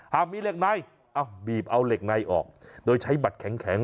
หากมีเหล็กในเอาบีบเอาเหล็กในออกโดยใช้บัตรแข็ง